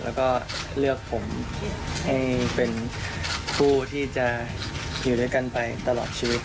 แล้วก็เลือกผมให้เป็นผู้ที่จะอยู่ด้วยกันไปตลอดชีวิต